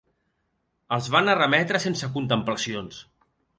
Els van arremetre sense contemplacions.